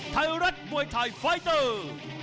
ไทยรัฐมวยไทยไฟเตอร์